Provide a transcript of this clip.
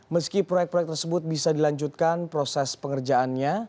meski proyek proyek tersebut bisa dilanjutkan proses pengerjaannya